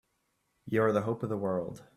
You're the hope of the world!